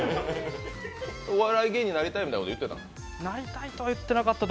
お笑い芸人になりたいみたいなことは言ってた？